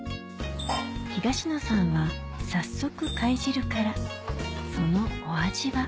東野さんは早速貝汁からそのお味は？